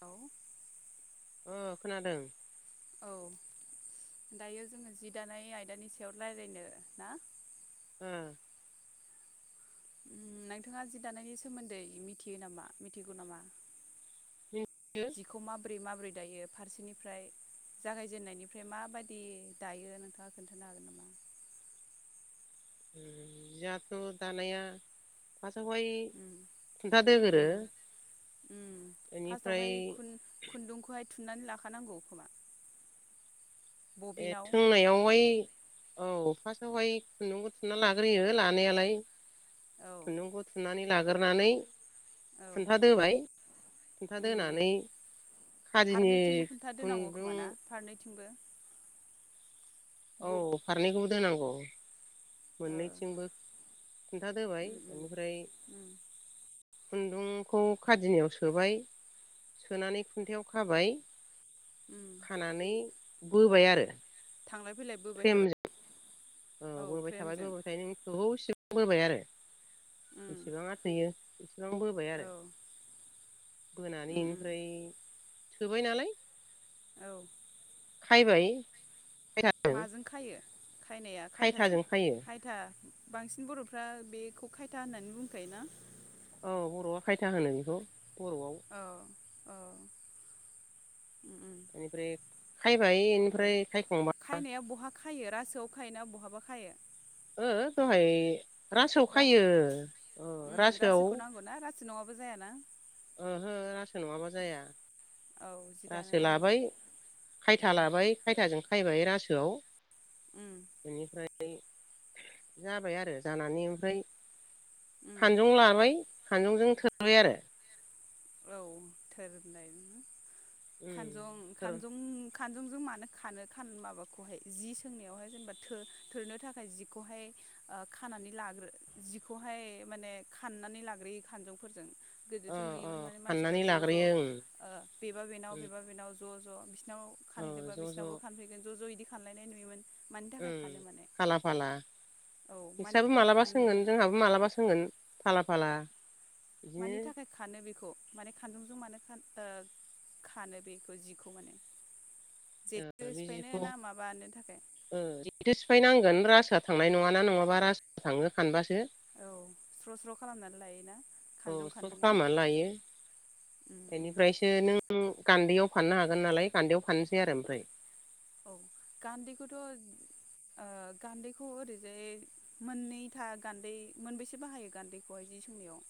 औ ओ खोनादों औ दायो जोङो जि दानाय आयदानि सायाव रायलायनो ना ओ नोंथाङा जि दानायनि सोमोन्दै मिथियो नामा मिथिगौ नामा? मिन्थियो जिखौ माब्रै मा बोरै दायो फारसेनिफ्राय जागायजेननायनिफ्राय माबादि दायो नोंथाङा खोन्थानो हागोन नामा? जिहाथ दानायया फासआवहाय उम खुन्था दोगोरो उम उम एनिफ्राय फार्स्टावहाय खुन खुन्दुंखौहाय थुननानै लाखानांगौ खोमा ए बबिनाव थोंनायआवहाय औ फासथावहाय खुन्दुंखौ थुना लाग्रोयो लानायालाय औ खुनदुंखौ थुन्नानै लाग्रोनानै औ खुन्था दोबाय खुन्था उम दोनानै खादिनि फारनैथिंबो खुन्था दोनांगौ खोमा खुन्दुं ना फारनैथिंबो ब औ फारनैखौबो दोनांगौ [inaudible] ओ मोननैथिंबो खुनथा दोबाय उम उम एनिफ्राय उम खुन्दुंखौ खादिनायाव सोबाय सोनानै खुन्थायाव खाबाय। उम खानानै। बोबाय आरो। थांलाय फैलाय बोबाय फ्रेमजों थाबाय। औ बोबबाय थाबाय बोबाय थायो नों गोबाव सिम। बोबाय आरो। उम बेसेबाङा थोयो एसेबां बोबाय औ आरो बोनानै उम उम इनफ्राय। थोबाय नालाय। औ खायबाय खायथाजों माजों खायो? खायनाया खायथाजों खायथा बांसिन बरफ्रा बेखौ खायथा होननानै बुंखायो ना? औ बर'आ खायथा होनो बेखौ। बर'आव। औ औ उम उम बेनिफ्राय खायबाय औ इनिफ्राय खायखांबा खायनाया बहा खायो रासोआव खायोना बहाबा खायो। ओ दहाय रासोआव रास खायो अ उम रासोआव। रासोखौ नांगौना रासो नङाबा जायाना? ओहो रासो नङाबा जाया औ जि दानो रासो नाङो लाबाय ओ खायथा लाबाय खायथाजों खायबाय रासोआव उम बेनिफ्राय जाबाय आरो जानानै ओमफ्राय उम खानजं लाबाय खानजंजों थोरबाय आरो। औ थोरनाय उम खानजं थोर खानजं खानजंजों मानो खानो खान माबाखौहाय जि सोंनायावहाय जेनेबा थो-थोरनो थाखाय जिखौहाय ओ खाननानै लाग्रोयो जिखौहाय माने खाननानै लाग्रोयो खानजंफोरजों। अ गोदोथ अ नुयोमोन माने मानसिफ्रा हाननानै ज ज ओ लाग्रोयो बेबा बेनाव ओं बेबा बेनाव ज ज बिज बिसिनाव औ खानहैदोंबा ज' बिसिनावबो फानफैगोन ज ज इदि खानलायनाय नुयोमोन। मानि थाखाय उम खानो माने फाला फाला औ मानि नोंस्राबो थाखाय माबलाबा खाननो सोंगोन माने जोंहाबो माबलाबा सोंगोन फाला फाला बिदिनो मानि थाखाय खानो बेखौ? माने खानजंजों मानो खान ओ खानो बेखौ जिखौहाय। ओ बे जिखौ थाखाय ओ जेथो सिफायनांगोन रासोया थांनाय नङाना नङाबा रास थांनो खानबासो औ स्र स्र खालामनानै लायोना अ खानजं स्र खाननानै खालामनानै लायो बेनिफ्रायसो नों गान्दैयाव फाननो हागोन नालाय गान्दैयाव फाननोसै आरो ओमफ्राय औ गान्दैखौथ' ओ गान्दैखौ ओरैजाय मोननैथा गान्दै मोनबेसे बाहायो गान्दैखौहाय जि सोंनायाव?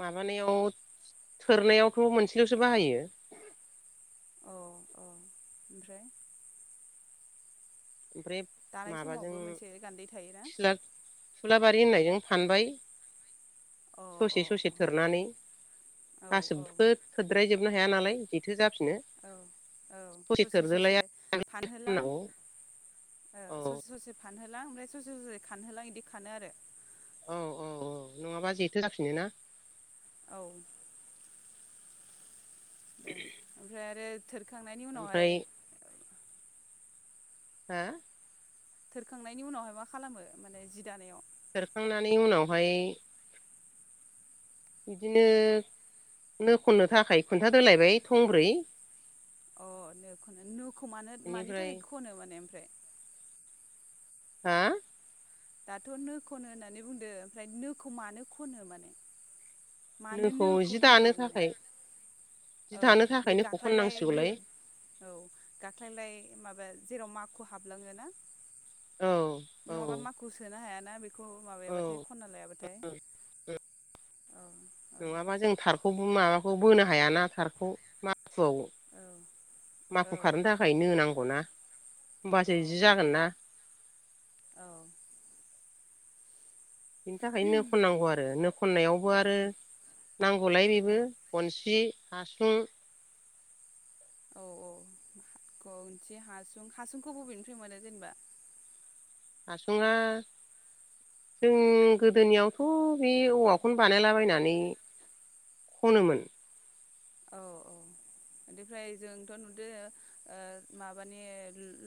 माबानायाव थोरनायावथ' मोनसेलसो बाहायो। औ -औ ओमफ्राय ओमफ्राय दानाय माबाजों समावबो मोनसे गान्दै थायोना थुलाब थुलाब [unintelligible] होननायजों फानबाय। अ ससे अ ससे अ थोरनानै औ औ गासैखौबो थोद्रायजोबनो हाया नालाय जेथो जा औ -औ, ससे थोरदोलाय -ससे फानहोलां खालामनांगौ ओ औ ससे -ससे फानहो होलां ओमफ्राय ससे-ससे खानहोलां बिदि खानो आरो उम-उम-उम नङाबा जेथो जाफिनोना? औ दे ओमफ्राय आरो थोरखांनायनि उनावहाय ओमफ्राय हा थोरखांनायनि उनावहाय मा खालामो माने जि दानायाव? थोरखांनानै उनावहाय बिदिनो नो खननो थाखाय खुन्था दोलायबाय थंब्रै, अ नो खनो नोखौ मानो मानि बेनिफ्राय थाखाय खनो? माने ओमफ्राय हा दाथ' नो खनो होननानै बुंदो ओमफ्राय नोखौ मानो खनो माने? मानो नोखौ जि दानो नांगौ माने थाखाय। जि औ दानो बे थाखाय नोखौ गाख्लायलाय खननांसिगौलाय औ गाख्लायलाय माबा जेराव माख हाबलाङो ना? औ औ नङाबा माखौ सोनो हाया। [unintelligible] बेखौ औ माबायाबाथाय खनना लायाबाथाय औ औ नङाबा जों थारखौ माबाखौ बोनो ह हायाना थारखौ, मा माखुआव औ माखु खारनो थाखाय नो नांगौ ना? औ होमबासो जि औ जागोन ना। औ बिनि थाखायनो नो खननांगौ आरो नो खननायावबो आरो उम नांगौलाय उम बेबो बनसि हासुं औ औ ह हासुं हासुंखौ बबेनिफ्राय मोनो जेनेबा हासुङा जों गोदोनियावथ बे औवाखौनो बानायलाबायनानै खनोमोन औ औ बेनिफ्राय जोंथ नुदों ओ माबानि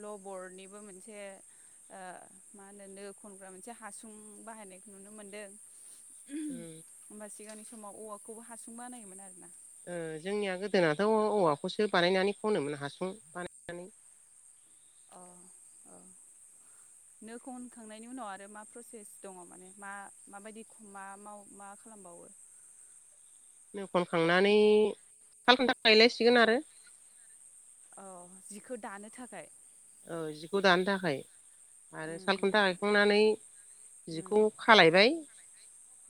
लबरनिबो मोनसे ओ मा होनो खनग्रा मोनसे हासुं बाहायनायखौ नुनो मोनदों उम होमबा सिगांनि समाव औवाखौबो हासुं बानायोमोन आरो ना उम जोंनिया गोदोनाथऔवाखौसो बानायनानै खनोमोन हासुं बानायनानै अ औ नोखौअखांनायनि उनाव आरो मा प्रसेस दङ माने मा माबायदि म मा खालामबावो नो खनखांनानै खाल खुन्था गायलायसिगोन आरो औ जिखौ दानो थाखाय औ जिखौ दानो थाखाय आरो उम उम सालखुन्था गायखांनानै उम जिखौ खालायबाय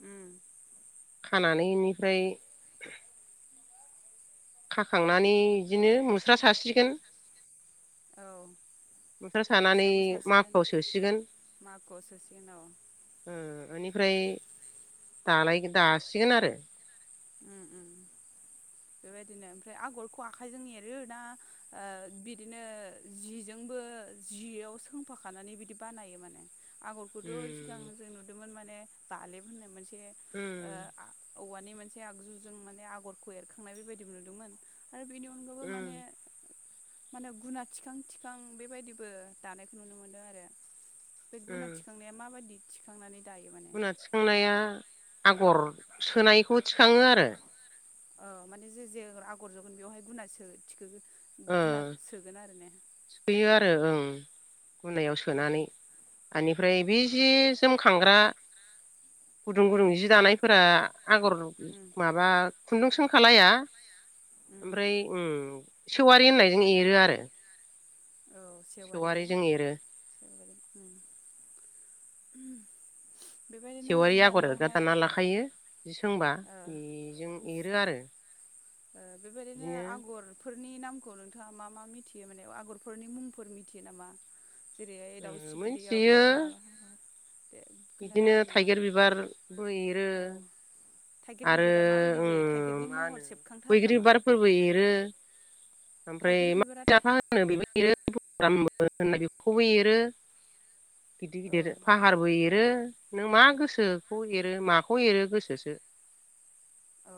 उम खानानै इनिफ्राय खाखांनानै बिदिनो मुस्रा सासिगोन औ मुस्रा सानानै मुस्राखौ सासिगोन माखुआव सोसिगोन माखुआव सोसिगोन औ ओ बेनिफ्राय दानायखौ दासिगोन आरो उम-उम बेबायदिनो ओमफ्राय आगरखौ आखाइजों एरो ना ओ बिदिनो जिजोंबो जियाव सोंफाखानानै बिदि बानायो माने आगरखौथ सिगां उम जों नुदोंमोन माने बालेब होनोमोन सि बे ओ उम आ औवानि मोनसे आगजुजों माने आगरखौ एरख थांनाय बेबायदिबो नुदोंमोन आरो बेनि अनगायैबो उम माने माने गुना थिखां थिखां बेबायदिबो दानायखौ नुनो मोनदों आरो बे गुना थिखांनाया माबायदि थिखांनानै दायो माने गुना थिखांनाया आगर सोनायखौ थिखाङो आरो औ माने जे जे आगर जगोन बेवहाय गुनासो थि ओ गुना सोगोन आरो ने ओ ओं गुनायाव औ सोनानै बेनिफ्राय बे जि जोमखांग्रा गुदुं गुदुं उम जि दानायफोरा आगर उम माबा खुन्दुं सोंखा लाया उम ओमफ्राय उम सेवारि होननायजों एरो आरो औ सेवारि ना जों एरो सेवारि उम बेबायदिनो जि सेवारि आगर एरग्रा दानायावहाय दाना लाखायो जि सों होनबा ओ बेजों एरो आरो। ओ बेबायदिनो बिदिनो आगरफोरनि नाम खौ नोंथाङा मा मा मिथियो माने आगरफोरनि मुंफोर मिथियो नामा? जेरैहाय ओ दावस्रि बिदै मोनथियो आगर माबा दे खोन्थानो बिदिनो हागोन नामा थाइगिर बिबारबो एरो औ थाइगिर आरो बिबारा माबायदि जायो उम थाइगिरनि मा महर होनो सेबखांथारो बैग्रि नामा बिबारफोरबो एरो। ओमफ्राय थाइगिर बिबारा माफा होनो बेबो एरो [unintelligible] होनना बेखौबो एरो। गिदिर औ गिदिर फाहारबो एर एरो नों मा गोसोखौ एरो माखौ एरो गोसोसो। औ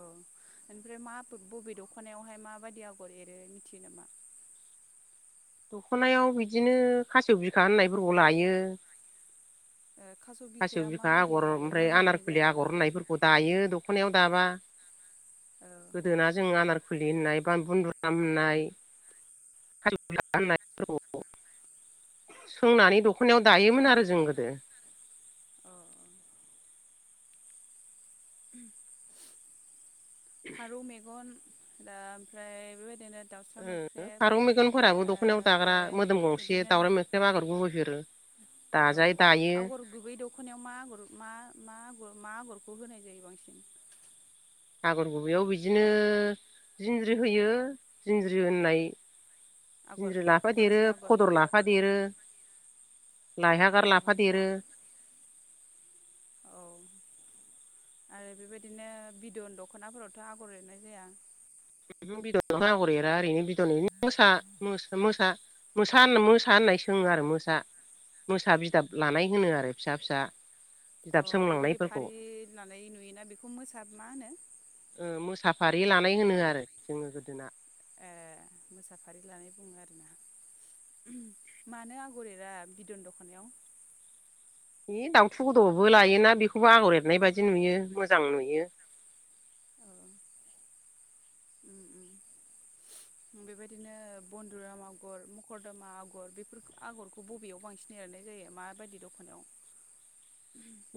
ओनिफ्राय मा बबे दखनायावहाय माबायि आगर एरो मिथियो नामा। दखनायाव बिदिनो खासेउ बिखा होननायफोरखौ लायो। ओ खास' खासेउ बिखाया बिखा माबायदि आगर ओमफ्राय महरनि आनारखुलि जायो? आगर होननायफोरखौ दायो दखनायाव दाबा औ गोदोना जों आनार फुलि होननाय ब बुनन्दुराम होननाय खालुला होननाय सोंनानै दखनायाव दायोमोन आरो जों गोदो। औ औ। उम फारौ मेगन दा ओमफ्राय बेबायदिनो दाउसा ओ मोख्रेब फारौ मेगनफोराबो ओ दखनायाव दाग्रा ओमफ्राय मोदोम गंसे बिदिनो दावराव मोख्रेब आगर गुबै फेरो औ दाजाय दायो। आगर गुबै दखनायाव मा आगर मागर मा आगरखौ होनाय जायो बांसिन। आगर गुबैयाव बिदिनो जिंज्रि होयो जिन्ज्रि होननाय आगर जिन्ज्रि लाफा देरो जिन्ज्रि आगर खदर लाफा देरो। लाया औ गार लाफा देरो। औ आरो बेबायदिनो बिदन दखनाफोरावथ आगर एरनाय जाया। बिदन आगर एरा ओरैनो बिदननो मो मोसा मोसा होन मोसा होननाय सोङो आरो मोसा मोसा बिदाब लानाय होनो आरो फिसा फिसा। अ बिदाब बेबायदि सोंलांनायफोरखौ फारि लानाय नुयोना बेखौ मोसा मा होनो ओं मोसाफारि लानाय होनो आरो जोङो गोदोना। ए मोसाफारि लानाय बुङो आरोना मानो आगर एरा बिदन दखनायाव? बे दाउथु गोदआवबो लायोना बेखौबो आगर एरनाय बायदि नुयो मोजां नुयो। औ उम उम बेबायदिनो बन्दुराम आगर मखरदमा आगर बे आगरखौ बबेयाव बांसिन एरनाय जायो माबायदि दखनायाव।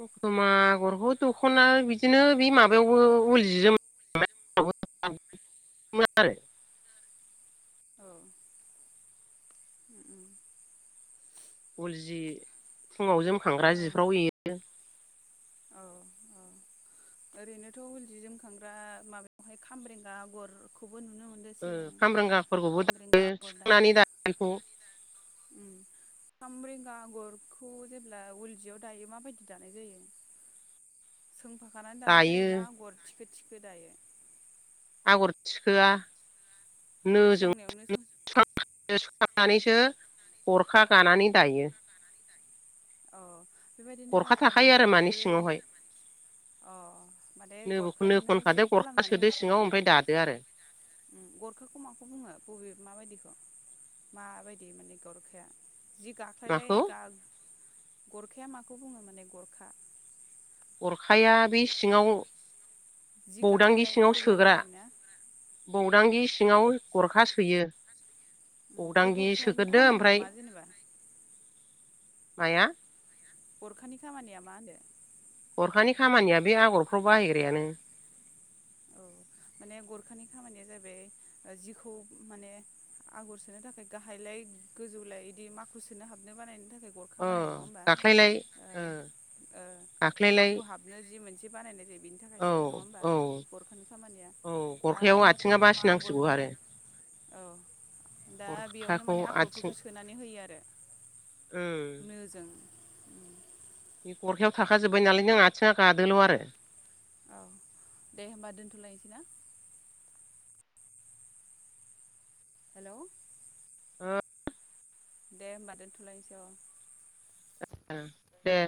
दथमा आगरखौ दखना बिदिनो बे माबायावबो उल जि जोमोन [unintelligible] आरो औ उम। उल जि फुङाव जोम खांग्रा औ जिफ्राव एरो। औ अ ओरैनोथ उलजि जोमखांग्रा माबायावहाय खामब्रेंगा आगरखौ बो नुनो मोनदों ओ सिगां खामब्रेंगाफोरखौबो दा खामबेंग्रा आगर दाबो सुखांनानै दा बेखौ [unintelligible] खामब्रेंगा आगरखौ जेब्ला उल जियाव दायो माबायदि दानाय जायो सोंफा नानै दानाय दायो जायोना आगर थिखो दायो आगर थिखोआ सोंनायावनो सों फाखानानैसो गरखा गानानै दायो। अ बेबायदिनो गरखा थाखायो आगर आरो मानि गंब्रै सिङावहाय अ माने नोबो नो गरखाजोंनो खनखादो सेभ गरखा खालामनानै सोदो होखायो सिङाव आरो ओमफ्राय दादो आरो ओम गरखाखौ माखौ बुङो बबे माबायदिखौ माबायदि माने गरखाया जि गाखायलाय माखौ गा गरखाया माखौ बुङो माने गरखा? अरखाया बे सिङाव जि बौदांगि गाख्लायलाय सिङाव फोजौलाय सोग्रा खालामनाया बौदांगि सिङाव गरखा सोयो। ओम बे बौदांगि गरखानि सोगोरदो खामानिया ओमफ्राय मा जेनेबा माया गरखानि खामानिया मा होनदो गरखानि खामानिया बे आगरफ्राव बाहायग्रायानो। औ माने गरखानि खामानिया जाबाय जिखौ माने आगर सोनो थाखाय गाहायलाय गोजौलाय बिदि माखु सोनो हाबनो बानायनो थाखाय गरखा अ बानाय नङा होनबा। ओ गाख्लायलाय माखु हाबनो जि मोन बिदि बानायनाय जायो बेनि औ थाखायसो नङा होमबा औ गरखानि खामानिया औ दा गरखायाव मखर आथिङा दमा आगर बासिनांसिगौ आरो औ दा बेयावनो गरखाखौ माने आथिं आखरफोरखौ सोनानै होयो आरो उम नो जों बे गरखायाव थाखाजोब्बाय नालाय नों आथिङा गादोल आरो। औ दे होनबा दोनथलायनोसै ना हेल' ओम दे होमबा दोनथलायनोसै अ ओं दे